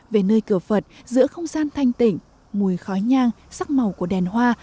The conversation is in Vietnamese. về nơi cửa phật giữa không gian thanh tỉnh mùi khói nhang sắc màu của đèn hoa